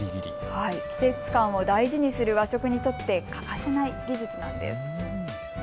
季節感を大事にする和食にとって欠かせない技術なんです。